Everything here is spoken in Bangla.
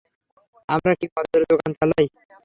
আমরা কি মদের দোকান চালাই!